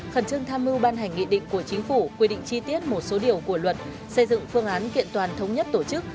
khẩn trưng tham mưu ban hành nghị định của chính phủ quy định chi tiết một số điều của luật xây dựng phương án kiện toàn thống nhất tổ chức